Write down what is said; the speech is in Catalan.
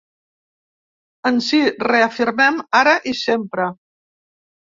Ens hi reafirmem ara i sempre!